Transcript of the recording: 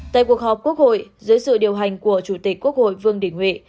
tại cuộc họp quốc hội dưới sự điều hành của chủ tịch quốc hội vương đình huệ